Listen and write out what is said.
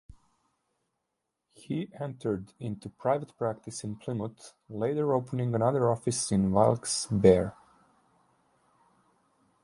He entered into private practice in Plymouth, later opening another office in Wilkes-Barre.